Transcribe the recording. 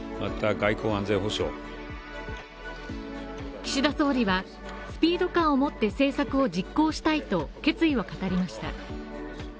岸田総理はスピード感を持って政策を実行したいと決意を語りました。